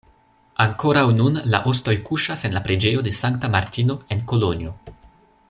Ankoraŭ nun la ostoj kuŝas en la preĝejo de Sankta Martino en Kolonjo.